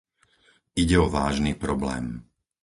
Ide o vážny problém.